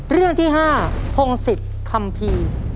เรื่องที่๕พงศิษย์คัมภีร์